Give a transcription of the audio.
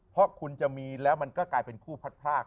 เพราะคุณจะมีแล้วมันก็กลายเป็นคู่พัดพราก